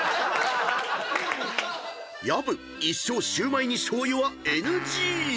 ［薮一生シュウマイに醤油はＮＧ！］